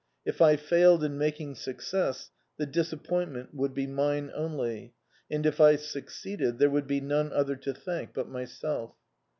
If I failed in making success, the disappointment would be mine only, and if I succeeded, there would be none other to thank but myself.